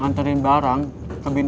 baik baik lagi bawa gue ke malam